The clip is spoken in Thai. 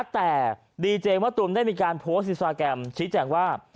แต่ดีเจมะตูมได้มีการโพสต์อินสตาแกรมชี้แจงว่า